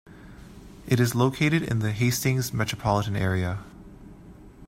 It is located in the Hastings Metropolitan Area.